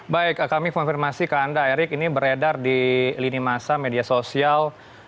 baik kami konfirmasi ke anda erik ini beredar di lini masa media sosial